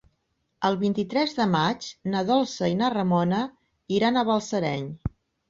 El vint-i-tres de maig na Dolça i na Ramona iran a Balsareny.